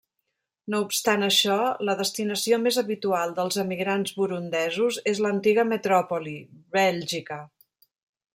No obstant això, la destinació més habitual dels emigrants burundesos és l'antiga metròpoli, Bèlgica.